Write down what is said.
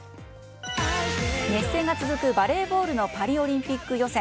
熱戦が続くバレーボールのパリオリンピック予選。